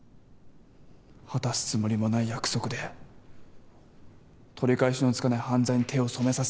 果たすつもりもない約束で取り返しのつかない犯罪に手を染めさせたんですね。